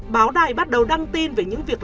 báo đài bắt đầu đăng tin về những việc